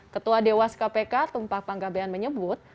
ketua dewas kpk tumpah panggabean menyebut